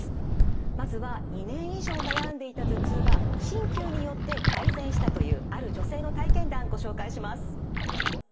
まずは２年以上悩んでいた頭痛が鍼灸によって改善したというある女性の体験談ご紹介します。